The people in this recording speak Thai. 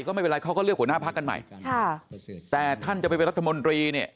ก็ไม่เป็นไรเขาก็เลือกหัวหน้าพักกันใหม่ค่ะแต่ท่านจะไปเป็นรัฐมนตรีเนี่ย